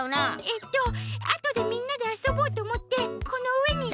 えっとあとでみんなであそぼうとおもってこのうえに。